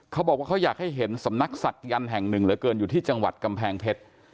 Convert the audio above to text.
เขาบอกว่าเขาอยากให้เห็นสำนักศักดิ์แห่งหนึ่งเหลือเกินอยู่ที่จังหวัดกำแพงเพชร